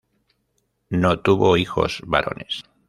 No tuvo hijos varones.